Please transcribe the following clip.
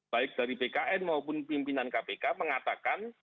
baik dari bkn maupun pimpinan kpk mengatakan